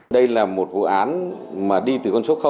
đây là một vụ án mà đi từ con số